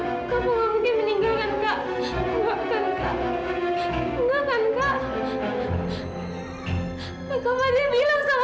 ake doh gimana kamu tidurnya tadi malam minyak gak